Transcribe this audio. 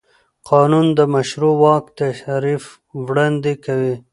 قانون د مشروع واک تعریف وړاندې کوي.